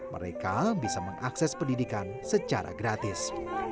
mereka bisa mengakses pendidikan secara gratis